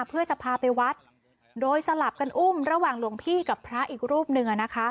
เพื่อจะพาไปวัดโดยสลับกันอุ้มระหว่างหลวงพี่กับพระอีกรูปหนึ่ง